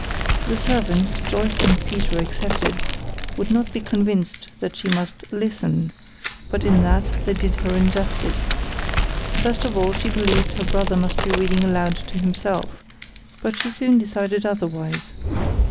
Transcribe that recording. The servants, Joyce and Peter excepted, would not be convinced but that she must "listen;" but, in that, they did her injustice. First of all, she believed her brother must be reading aloud to himself; but she soon decided otherwise.